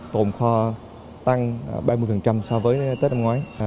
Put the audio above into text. tồn kho tăng ba mươi so với tết năm ngoái